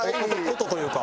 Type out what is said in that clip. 音というか。